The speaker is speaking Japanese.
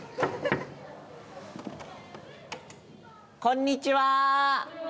こんにちは。